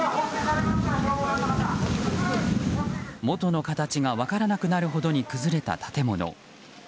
元の形が分からなくなるほどに崩れた建物。